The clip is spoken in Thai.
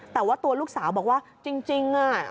แต่ว่าตัวลูกสาวบอกว่าจริง